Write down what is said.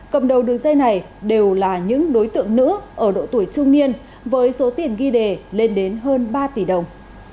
cầm đầu đường dây này đều là những đối tượng nữ ở độ tuổi trung niên với số tiền ghi đề lên đến hơn ba tỷ đồng